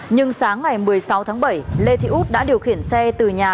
nhưng sáng ngày một mươi sáu tháng bảy lê thị út đã điều khiển xe từ nhà